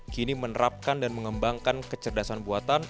kini menerapkan dan mengembangkan kecerdasan buatan